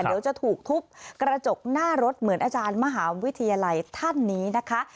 เดี๋ยวจะถูกทุบกระจกหน้ารถเหมือนอาจารย์มหาวิทยาลัยท่านนี้นะคะ